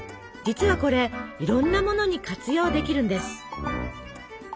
実はこれいろんなものに活用できるんです。